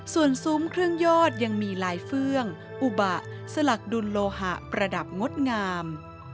ส่วนซุ้มเครื่องยอดยังมีลายเฟื่องอุบะสลักดุลโลหะประดับงดงาม